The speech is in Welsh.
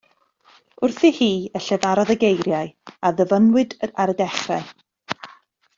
Wrthi hi y llefarodd y geiriau a ddyfynnwyd ar y dechrau.